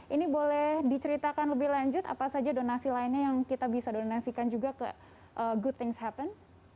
ini boleh diceritakan lebih lanjut apa saja donasi lainnya yang kita bisa donasikan juga ke good things happen